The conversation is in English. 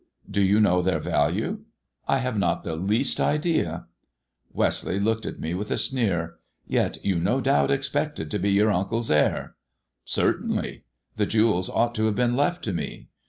" Do you know their value 1 " "I have not the least idea.*' Westleigh looked at me with a sneer. Yet you no doubt expected to be your uncle's heir." " Certainly ! The jewels ought to have been left to me.